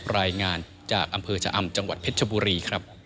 รายงานจากอำเภอชะอำจังหวัดเพชรชบุรีครับ